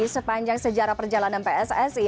sepanjang sejarah perjalanan pssi